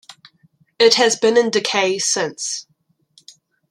It has been in decay since.